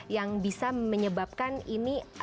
yang bisa menyebabkan ini